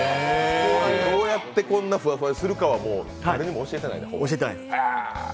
どうやってこんなふわふわにするかは誰にも教えてないんだ。